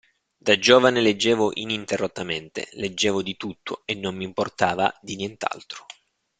Da giovane leggevo ininterrottamente, leggevo di tutto e non mi importava di nient'altro.